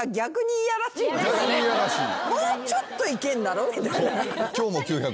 もうちょっといけんだろ？みたいな。